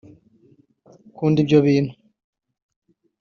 Nkunda Ibyo Bintu